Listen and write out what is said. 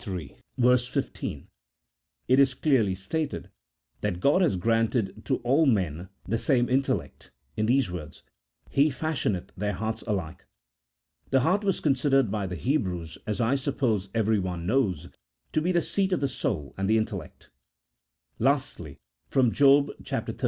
15, it is clearly stated that God has granted to all men the same intellect, in these words, " He f ashioneth. their hearts alike." The heart was considered by the Hebrews, as I suppose every one knows, to be the seat of the soul and the intellect. Lastly, from Job xxxviii.